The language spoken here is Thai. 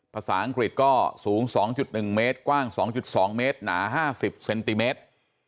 ภาษาอังกฤษก็สูง๒๑เมตรกว้าง๒๒เมตรหนา๕๐เซนติเมตร